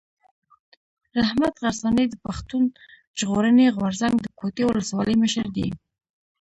رحمت غرڅنی د پښتون ژغورني غورځنګ د کوټي اولسوالۍ مشر دی.